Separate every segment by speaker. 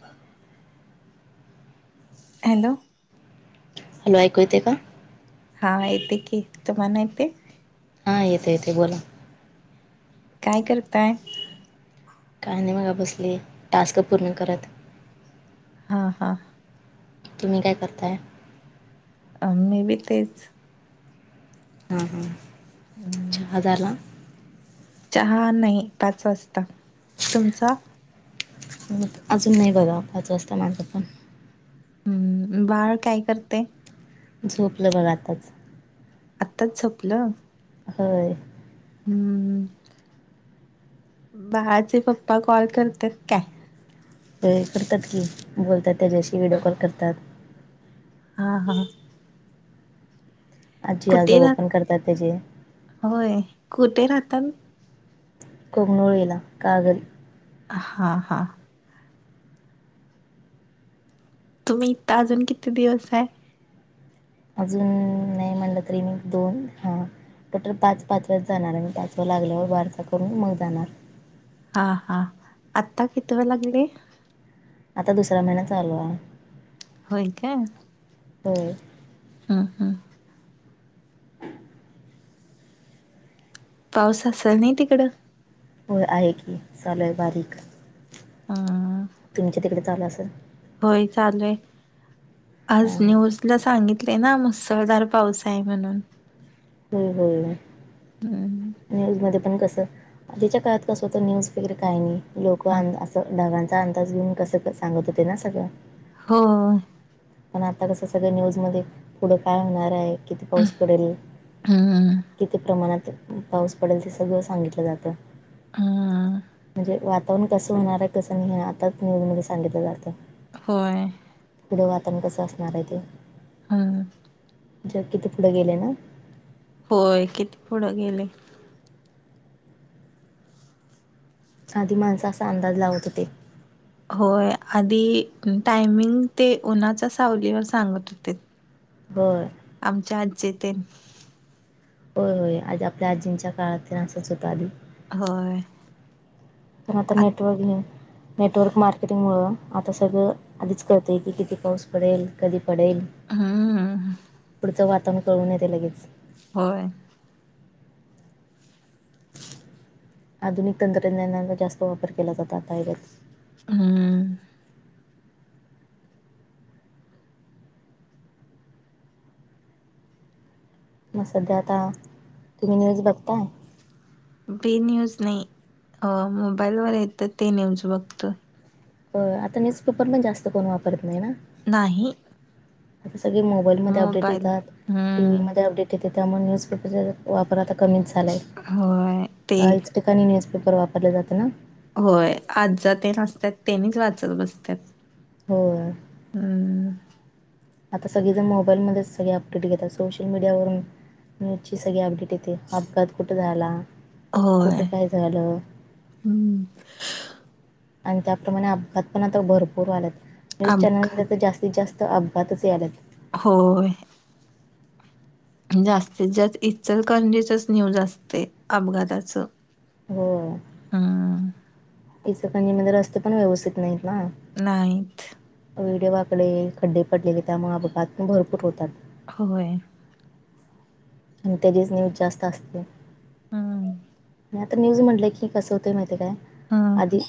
Speaker 1: ता
Speaker 2: hello
Speaker 1: hello ऐकू येत का
Speaker 2: हा येते की तुम्हाला येते
Speaker 1: हां येते येते बोला
Speaker 2: काय करताय
Speaker 1: काही नाही मग बसली टास्क पूर्ण करत
Speaker 2: हा हा
Speaker 1: की मी काय करताय
Speaker 2: अ मे बी तेच
Speaker 1: हां हांच्
Speaker 2: हम्म,
Speaker 1: चहा दारला
Speaker 2: चहा नाही पाच वाजता तुमचा
Speaker 1: मग अजून नाही बघ पाच वाजता माझं पण
Speaker 2: हम्म बाळ काय करते
Speaker 1: झोपलं बघा आातच
Speaker 2: आत्ताच झपलं
Speaker 1: हय
Speaker 2: हम्म बाळाचे पप्पा कॉल करतात काय
Speaker 1: ते करतात की बोलतात त्याच्याशी व्हिडिओ कॉल करतात
Speaker 2: हा हां
Speaker 1: आजजी आजो
Speaker 2: कुठे
Speaker 1: ओपन
Speaker 2: राह
Speaker 1: करतात त्याचेे
Speaker 2: होय कुठे राहतात
Speaker 1: कोकनळ येला कागद
Speaker 2: हा हा तुम्ही इथता अजून किती दिवस आहे
Speaker 1: अजून नाही म्हणलं तरी मी दोन हा टटल पाच पाच वेळेस जाणार आणि त्याचवर लागल्यावर वारसा करून मग जाणार
Speaker 2: हा हा आता किित लागले
Speaker 1: आता दुसरा महिना चालूवा
Speaker 2: होय का
Speaker 1: हो
Speaker 2: हं हं पाऊस असेल नाही तिकडं
Speaker 1: हो, आहे की, चालू हाय बारीक.
Speaker 2: हां.
Speaker 1: तुमच्या तिकडे चालं असल?
Speaker 2: होय चालू हाय.
Speaker 1: हा
Speaker 2: आज
Speaker 1: हा
Speaker 2: न्यूज ला सांगितलय ना, मुसळधार पाऊस आहे म्हणून.
Speaker 1: होय होय.
Speaker 2: हम्म.
Speaker 1: न्यूजमध्ये पण कसं, आधीच्या काळात कसं होतं न्यूज वगैरे काय नाही, लोकं
Speaker 2: हा
Speaker 1: आण असं ढगां अंदाज घेऊन, कसं सांगत होते ना सगळं.
Speaker 2: हो.
Speaker 1: पण आता कसं, सगळं न्यूज मध्ये पुढं काय होणार आहे किती पाऊस पडल?
Speaker 2: हम्म
Speaker 1: किती प्रमाणात पाऊस पडल ते सगळं सांगितलं जात.
Speaker 2: हम्म
Speaker 1: म्हणजे वाता वरण कसं होणार आहे कसं नाही, हे आताच न्यूज मध्ये सांगितलं जातं.
Speaker 2: होय.
Speaker 1: पुढ वातावरण कसं असणार आहे ते.
Speaker 2: हम्म.
Speaker 1: जग किती पुढे गेलय ना?
Speaker 2: होय, किती पुढं गेलय.
Speaker 1: आधी माणसं असा अंदाज लावत होते.
Speaker 2: होय, आधी टायमिंग ते उन्हाच्या सावलीवर सांगत होतीत.
Speaker 1: होय.
Speaker 2: आमच्या आज्जी तेण
Speaker 1: होय होय, आज आपल्या आज्जींच्या काळात असंच होतं आधी.
Speaker 2: होय.
Speaker 1: पण आता
Speaker 2: आ
Speaker 1: नेटवर्किंग नेटवर्क मार्केटिंगमुळं, आता सगळं आधीच कळतंय, की किती पाऊस पडेल कधी पडेल,
Speaker 2: हम्म
Speaker 1: पुढचं वातावरण कळून येतय लगेच.
Speaker 2: होय.
Speaker 1: आधुनिक तंत्रज्ञानाचा जास्त वापर केला जातो, आता. [unintelligible]
Speaker 2: हम्म!
Speaker 1: म सध्या आता, तुम्ही न्यूज बघताय?
Speaker 2: बी न्यूज नाही, अ मोबाईलवर येत ते न्यूज बघतोय.
Speaker 1: हो, आता न्यूजपेपर पण जास्त कोण वापरत नाही ना.
Speaker 2: नाही.
Speaker 1: आता सगळे मोबाईलमध्ये अपडेट
Speaker 2: मोबाईल
Speaker 1: येतात, टी. व्ही
Speaker 2: हम्म.
Speaker 1: मध्ये अपडेट त्यामुळे न्यूजपेपरचा वापर आता कमीच झालाय.
Speaker 2: होय, ते
Speaker 1: ठिकाणी न्यूजपेपर वापरले जातं ना?
Speaker 2: होय, आज्जा तेन असतात, तेनीच वाचत बसतात.
Speaker 1: होय.
Speaker 2: हम्.
Speaker 1: आता सगळीजण मोबाईलमध्येच सगळे अपडेट घेतात, सोशल मीडियावरून न्यूजची सगळी अपडेट येते, अपघात कुठं झाला?
Speaker 2: होय
Speaker 1: कुठं काय झालं.
Speaker 2: हम्म.
Speaker 1: आणि त्याप्रमाणे अपघात पण आता भरपूर व्हायल्यात, न्यूज
Speaker 2: अपघात
Speaker 1: चॅनलमध्ये तर जास्त जास्त अपघातच याल्यात.
Speaker 2: होय. जास्ती- जास्त इचलकरंजीच न्यूज असतयं. अपघाताच.
Speaker 1: हो. इचलकरंजीमध्ये, रस्ते पण व्यवस्थित नाहीत ना.
Speaker 2: नाहीत.
Speaker 1: वेडेवाकडे, खड्डे पडलेले. त्यामुळे अपघात पण भरपूर होतात.
Speaker 2: होय.
Speaker 1: आणि त्याचीच न्यूज जास्त असतेय.
Speaker 2: हम्म.
Speaker 1: आता न्यूज म्हटलंय की, कसं होतंय. माहिती काय.
Speaker 2: हम्म
Speaker 1: आधी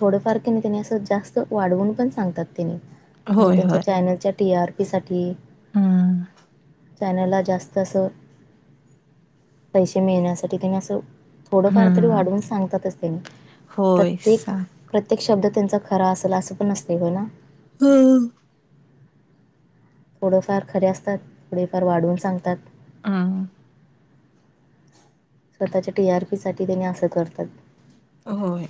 Speaker 1: थोडंफार कनी तेनी असं, जास्त वाढवून पण सांगतात, तेनी. म्हणजे
Speaker 2: होय होय
Speaker 1: त्यांच्या चॅनलच्या टी आर पी साठी
Speaker 2: हम्म.
Speaker 1: चॅनलला जास्त असं. पैसे मिळण्यासाठी त्यांनी असं. थोडंफार तरी
Speaker 2: हम्म
Speaker 1: वाढवून सांगतातच तेनी.
Speaker 2: होय सा
Speaker 1: प्रत्येक प्रत्येक शब्द त्यांचा खरा असल, असं पण नसतय. हो, ना.
Speaker 2: हम्म.
Speaker 1: थोडंफार खरे असतात. थोडेफार वाढवून सांगतात.
Speaker 2: ह.
Speaker 1: स्वतःच्या टी आर पी साठी, त्यांनी असं करतात.
Speaker 2: होय.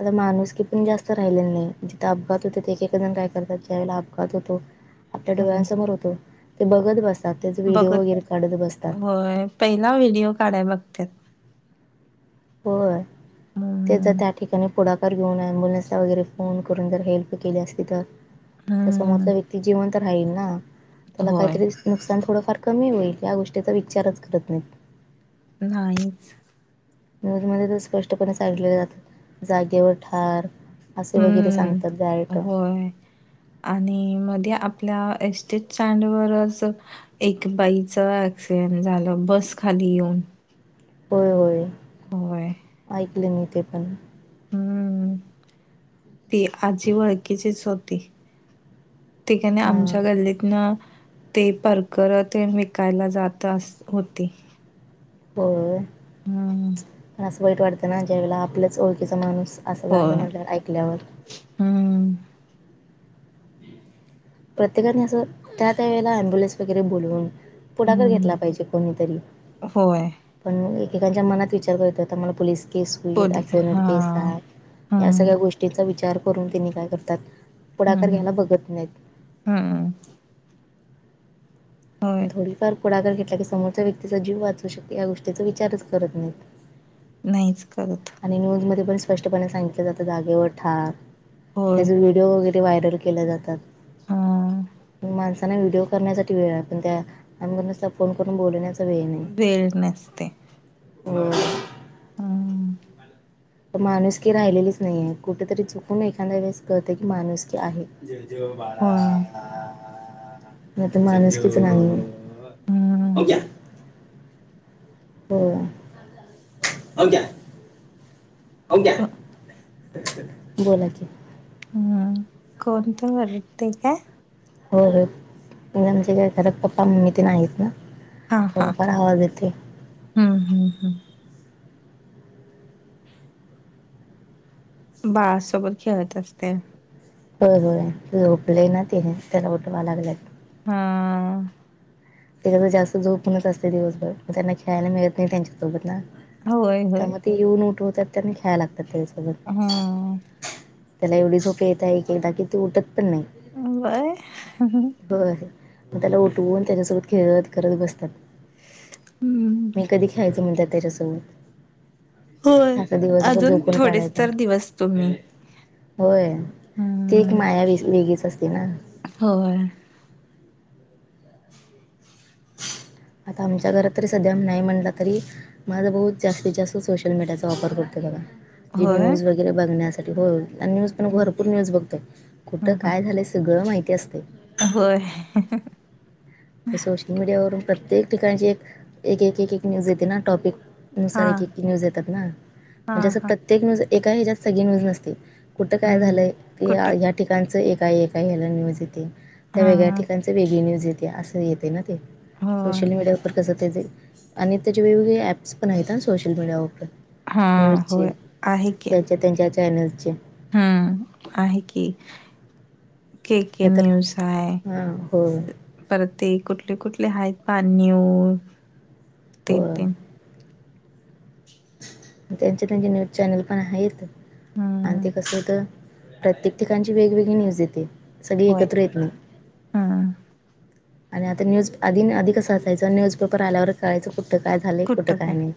Speaker 1: आता माणूसकी पण जास्त राहिलेली नाही. जिथे अपघात होतेत, एक- एक जण काय करतात. ज्यावेळेला अपघात होतो आपल्या
Speaker 2: हम्म
Speaker 1: डोळ्यासमोर होतो. ते बघत बसतात. त्याचे व्हिडिओ वगैरे
Speaker 2: बघत
Speaker 1: काढत बसतात.
Speaker 2: होय पहिला व्हिडिओ काढाय बघत्यात.
Speaker 1: होय. ते
Speaker 2: हम्म
Speaker 1: जर त्या ठिकाणी पुढाकार घेऊन, अँबुलन्सला वगैरे फोन करून, जर हेल्प केले असती, तर. त्या
Speaker 2: हम्म
Speaker 1: समोरचा व्यक्ती जीवंत तर राहील ना. त्याला
Speaker 2: होय
Speaker 1: काहीतरी नुकसान थोडंफार कमी होईल. या गोष्टीचा, विचारच करत नाहीत.
Speaker 2: नाहीच.
Speaker 1: न्यूजमध्ये तर स्पष्टपणे सांगले जातात. जागेवर ठार असे वगैरे
Speaker 2: हम्म
Speaker 1: सांगतात. डायरेक्ट.
Speaker 2: होय. आणि मध्ये आपल्या एस टी चांडवरच एक बाईच ॲक्क्सिडेंट झालं. बस खाली येऊन.
Speaker 1: होय, होय.
Speaker 2: होय.
Speaker 1: ऐकले मी ते पण.
Speaker 2: हम्म. ती आजी वळखीचीच होती. ती काने
Speaker 1: हां.
Speaker 2: आमच्या गल्लीतन ते परकर तेन, विकायला जात अस होती.
Speaker 1: हो.
Speaker 2: हम्म
Speaker 1: [unintelligible] पण असं वाईट वाटतं ना. ज्यावेळेला आपलाच ओळखीच माणूस असं झालं म्हटल्यावर. ऐकल्यावर.
Speaker 2: हम्.
Speaker 1: प्रत्येकाने असं, त्या - त्या वेळेला अम्बुलन्स वगैरे बोलवून पुढाकार घेतला
Speaker 2: हम्म
Speaker 1: पाहिजे, कोणीतरी.
Speaker 2: होय
Speaker 1: पण एकेकांच्या मनात विचार [unintelligible] होता. मला पोलीस. केस
Speaker 2: पोल
Speaker 1: होईल ऍक्सिडेंट
Speaker 2: हा
Speaker 1: केस आहे या
Speaker 2: हम्म
Speaker 1: सगळ्या गोष्टी. गोष्टीचा विचार करून त्यांिने काय करतात, पुढाकार घ्यायला बघत नाहीत.
Speaker 2: हा. होय
Speaker 1: पण थोडीफार पुुाकार घेतला, की समोरच्या व्यक्तीचा जी वाचू शके या गोष्टीचा विचारच करत नाहीत.
Speaker 2: नाहीच करत.
Speaker 1: आणि न्यूज मध्ये पण स्पष्टपणे सांगितलं जातं जाागेवर ठार
Speaker 2: होय
Speaker 1: त्याच. व्हडओ वगैरे व्हायल के जातात
Speaker 2: हा
Speaker 1: मा व्हिडिओ करण्यासाठी वेळ, पण त्यामग फोन करून बण्या णे
Speaker 2: वेळ नसते
Speaker 1: ह [unintelligible]
Speaker 2: हम [unintelligible]
Speaker 1: माणुसकीी राहिलेलीच नाहीये, कुठेतरी चुकून एखादा वेळेस कळत की माणुसकी आहे. जज
Speaker 2: होय
Speaker 1: नाही तर माणूस किती नाही.
Speaker 2: हम्म
Speaker 1: क्या [unintelligible] हो अ का्या [unintelligible] अक [unintelligible]
Speaker 2: को
Speaker 1: ते [unintelligible] बोलाची.
Speaker 2: हम्म कोणतं वारते काय.
Speaker 1: हो हो म्हणजे आमचे काय घरात पप्पा मम्मी आहेत ना
Speaker 2: हा हा
Speaker 1: थोडाफार आवाज येते
Speaker 2: हम्म हम्म हम्म बाळसोबत खेळत असते
Speaker 1: हो होय झोपले ना ते त्याला उठवा लागलेत
Speaker 2: हा
Speaker 1: तेिक तर जास्त झोूप म्हणत असते दिवसभर मग त्यांना खेळायला मिळत नाही त्यांच्यासोबत ना
Speaker 2: होय होय
Speaker 1: त्यामुळे ते येऊन उठवतात त्यांना खेळायला लागतात ते त्याच्यासोबत
Speaker 2: हम्म
Speaker 1: त्याला एवढी झोप येत आहे एकदा की ती उठत पण नाही
Speaker 2: अ बाय
Speaker 1: हो मग त्याला उठवून त्याच्यासोबत खेळत करत बसतात
Speaker 2: हम्म
Speaker 1: मी कधी खेळायचं म्हणत त्याच्यासोबत
Speaker 2: होय
Speaker 1: आता दिवसभर
Speaker 2: अजून
Speaker 1: झोपून
Speaker 2: थोडेच
Speaker 1: काढायचा
Speaker 2: तर दिवस तुम्ही
Speaker 1: होय ती एक
Speaker 2: हम्म
Speaker 1: माया व वेगळीच असते ना
Speaker 2: हो बाळा
Speaker 1: आता आमच्या घरात तरी सध्याही नाही म्हणलं तरी माझा बहुत जास्तीत जास्त सोशल मीडियाचा वापर करतो बघा ती
Speaker 2: होय
Speaker 1: न्यूज वगैरे बघण्यास हो आणि न्यूज पण
Speaker 2: हम्म
Speaker 1: भरपूर न्यूज बघतोय कुठं
Speaker 2: हम्म
Speaker 1: काय झालंय सगळं माहिती असते
Speaker 2: होय
Speaker 1: तर सोशल मीडियावरून प्रत्येक ठिकाणची एक एक एक एक न्यूज येते ना टॉपिक नुसार
Speaker 2: हा
Speaker 1: एक न्यूज येतात ना
Speaker 2: हा
Speaker 1: म्हणजे असं
Speaker 2: हा
Speaker 1: प्रत्येक न्यूज एका ह्याच्यात सगळी न्यूज नसती कुठं काय
Speaker 2: हम्म
Speaker 1: झालं आहे की
Speaker 2: कुठ
Speaker 1: ह्या ठिकाणचं एकय एका ह्याला न्यूज येते त्या
Speaker 2: हा
Speaker 1: वेगळ्या ठिकाणी त्यांच वेगळी न्यूज येते असं येते ना ते
Speaker 2: हो
Speaker 1: सोशल मीडिया र कस त्या आणि त्याचे वेगवेगळे ऍप्स पण आहेत ना सोशल मीडियावरर
Speaker 2: हा
Speaker 1: न्यूजचे
Speaker 2: होय आहे की
Speaker 1: त्यांच्या त्यांच्या चॅनल्चे
Speaker 2: हम्म आहे की के के
Speaker 1: नाहीतर
Speaker 2: न्यूज आहे
Speaker 1: हां हो
Speaker 2: परत ते कुठले कुठले आहेत पहा न्यूज ते
Speaker 1: हो
Speaker 2: ते
Speaker 1: त्यांचे त्यांचे न्यूज चॅनल पण आहेत. आणि
Speaker 2: हम्म
Speaker 1: ते कसं होतं प्रत्येक ठिकाणची वेगवेगळी न्यूज येते सगळी
Speaker 2: होय
Speaker 1: एकत्र येत नाही.
Speaker 2: हम्म
Speaker 1: आणि आता न्यूज आधी आध कस असायचं न्यूज पेपर आल्यावरच कळायचं. कुठं काय झालय कुठं काय नाही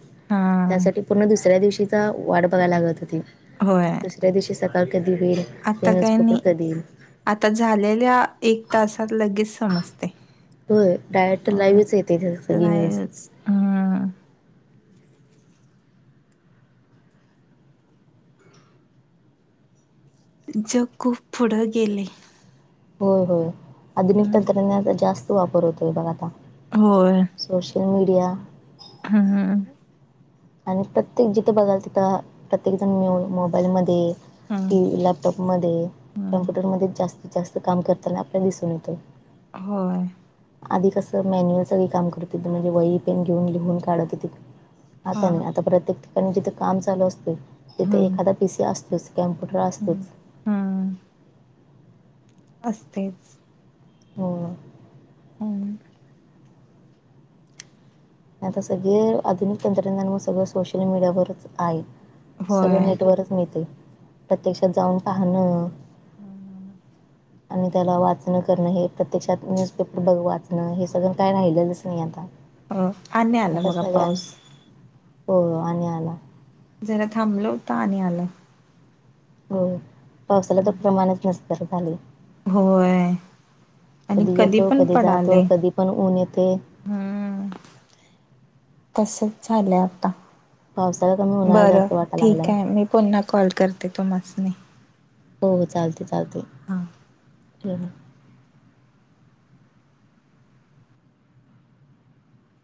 Speaker 1: त्यासाठी पूर्ण दुसऱ्या दिवशीचा वाट बघायला लागत होती.
Speaker 2: होय
Speaker 1: दुसऱ्या दिवशी सकाळ कधी होईल ते
Speaker 2: आता काय
Speaker 1: न्यूजपेपर
Speaker 2: नाही
Speaker 1: कधी येईल?
Speaker 2: आता झालेल्या एक तासात लगेच समजतय.
Speaker 1: होय डायरेक्ट लाईव्हच येते सगळी न्यूज.
Speaker 2: हा. जग खूप पुढं गेलय.
Speaker 1: होय होय आधुनिक
Speaker 2: हम्म
Speaker 1: तंत्रज्ञाचा जास्त वापर होतोय बघ आता.
Speaker 2: होय.
Speaker 1: Social media.
Speaker 2: हा.
Speaker 1: आणि प्रत्येक जिथे बघाल तिथं प्रत्येक जण म मोबाईलमध्ये
Speaker 2: हम्म
Speaker 1: टी लॅपटॉपमध्ये
Speaker 2: हम्म
Speaker 1: कम्प्युटरमध्येच जास्तीत जास्त काम करताना आपल्या दिसून येतय.
Speaker 2: होय.
Speaker 1: आधी कसं मॅन्युअल सगळी काम करत म्हणजे वय पेन घेऊन लिहून काढत होती
Speaker 2: हा
Speaker 1: आता नाही आता प्रत्येक ठिकाणी जिथे काम चालू असते तिथे
Speaker 2: हम्म
Speaker 1: एखादा पी सी असतोच. कॅम्प्युटर असतोच.
Speaker 2: हम. असतयच.
Speaker 1: होय.
Speaker 2: हम्म.
Speaker 1: आता सगळे आधुनिक तंत्रज्ञान मग सगळं सोशल मीडियावरच आहे. सगळ
Speaker 2: होय
Speaker 1: नेटवरच मिळतय प्रत्यक्षात जाऊन पाहणं
Speaker 2: ह ह हा.
Speaker 1: आणि त्याला वाचणं करणं हे प्रत्यक्षात न्यूजपेपर बघ वाचणं हे सगळं काय राहिलेलंच नाही आता.
Speaker 2: हो आणि आल
Speaker 1: आता
Speaker 2: बघा
Speaker 1: सगळ्या
Speaker 2: पाऊस.
Speaker 1: हो आणि आला.
Speaker 2: जरा थांबल होता आणि आला.
Speaker 1: हो पावसाला तर प्रमाणच नसल्या गत झालयं.
Speaker 2: होय आणि कधी
Speaker 1: येतो
Speaker 2: पण
Speaker 1: जातो
Speaker 2: पडालय.
Speaker 1: कधी पण ऊन येते
Speaker 2: हम्म तसच झालंय आता.
Speaker 1: पावसाळा कमी उन्हाळा
Speaker 2: बरं
Speaker 1: जास्त वाटा
Speaker 2: ठीक
Speaker 1: लागलाय
Speaker 2: आहे मी पुन्हा कॉल करते तुम्हासनि.
Speaker 1: हो चालते चालते.
Speaker 2: हा.
Speaker 1: [unintelligible]